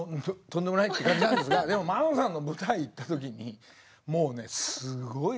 とんでもないって感じなんですがでも真央さんの舞台行った時にもうねすごい